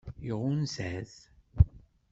Iɣunza-t?